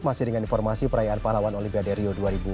masih dengan informasi perayaan pahlawan olimpiade rio dua ribu dua puluh